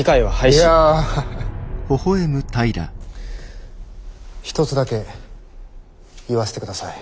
いや一つだけ言わせてください。